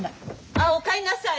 ああお帰んなさい。